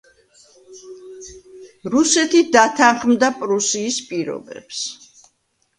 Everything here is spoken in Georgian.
რუსეთი დათანხმდა პრუსიის პირობებს.